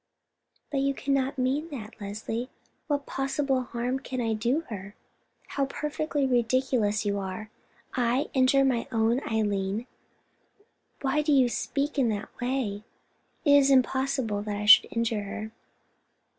"But you cannot mean that, Leslie. What possible harm can I do her? How perfectly ridiculous you are! I injure my own Eileen? Why do you speak in that way? It is impossible that I could injure her."